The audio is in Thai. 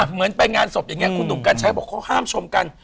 เหมือนไปงานศพอย่างนี้คุณหนุ่มกัญชัยบอกเขาห้ามชมกัน